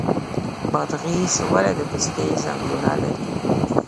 بادغیس ولې د پستې ځنګلونه لري؟